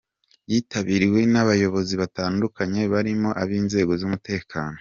Yitabiriwe n’abayobozi batandukanye barimo ab’inzego z’umutekano.